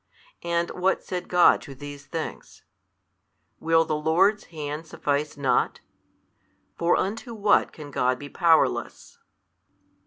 And what said God to these things? Will the Lord's Hand suffice not? For unto what can God be powerless?